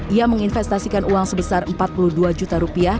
ia menginvestasikan uang sebesar empat puluh dua juta rupiah